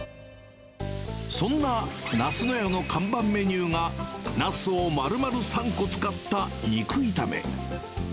そんななすの屋の看板メニューが、ナスをまるまる３個使った肉炒め。